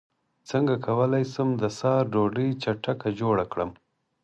څنګه کولی شم د سحر ډوډۍ چټکه جوړه کړم